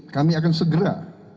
kami akan segera